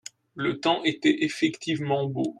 Le temps était effectivement beau.